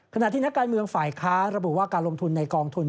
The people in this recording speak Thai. ขณะที่นักการเมืองฝ่ายค้าระบุว่าการลงทุนในกองทุน